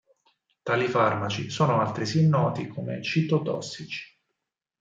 Tali farmaci sono altresì noti come "citotossici".